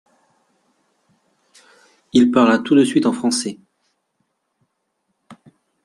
Il parla tout de suite en français.